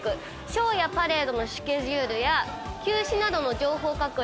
ショーやパレードのスケジュールや休止などの情報確認